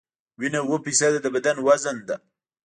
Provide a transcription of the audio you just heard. وینه اووه فیصده د بدن وزن ده.